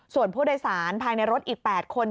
ส่วนผู้โดยสารภายในรถอีก๘คน